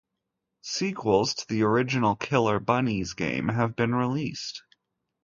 Sequels to the original "Killer Bunnies" game have been released.